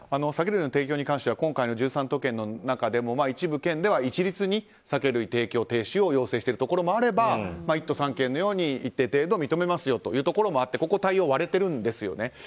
酒類の提供に関しては今回の１３都県の中でも一部県では一律に酒類提供停止を要請しているところもあれば１都３県のように一定程度認めますよというところもあってここ対応割れてるんですよね。